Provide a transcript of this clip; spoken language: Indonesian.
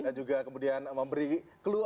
dan juga kemudian memberi clue